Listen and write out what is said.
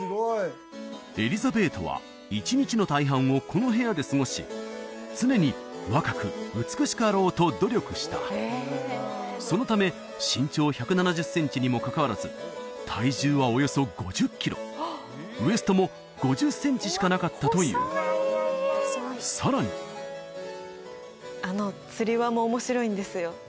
エリザベートは一日の大半をこの部屋で過ごし常に若く美しくあろうと努力したそのため身長１７０センチにもかかわらず体重はおよそ５０キロウエストも５０センチしかなかったというさらにあのつり輪も面白いんですよ